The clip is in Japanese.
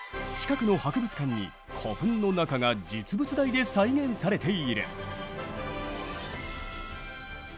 近くの博物館に古墳の中が実物大で再現されている。